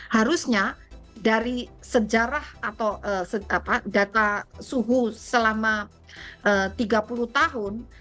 harusnya dari sejarah atau data suhu selama tiga puluh tahun